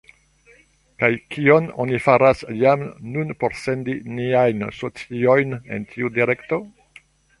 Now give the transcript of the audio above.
Kaj kion oni faras jam nun por sendi niajn sociojn en tiu direkto?